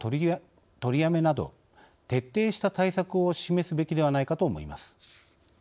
・取りやめなど徹底した対策を示すべきではないかと思います。